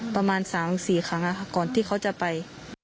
ประมาณ๓๔ครั้งก่อนที่เขาจะไป